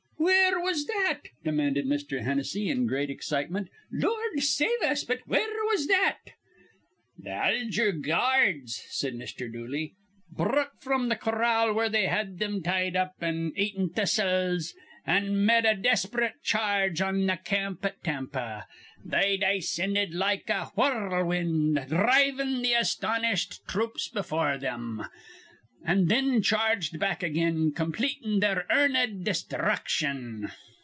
"Where was that?" demanded Mr. Hennessy, in great excitement. "Lord save us, but where was that?" "Th' Alger gyards," said Mr. Dooley, "bruk fr'm th' corral where they had thim tied up, atin' thistles, an' med a desp'rate charge on th' camp at Tampa. They dayscinded like a whur rl wind, dhrivin' th' astonished throops before thim, an' thin charged back again, completin' their earned iv desthruction.